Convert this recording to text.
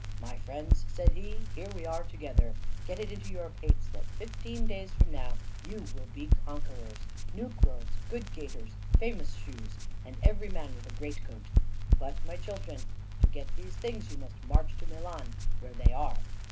'My friends,' said he, 'here we are together. Get it into your pates that fifteen days from now you will be conquerors new clothes, good gaiters, famous shoes, and every man with a great coat; but, my children, to get these things you must march to Milan, where they are.'